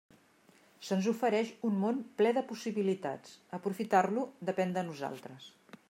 Se'ns ofereix un món ple de possibilitats; aprofitar-lo depèn de nosaltres.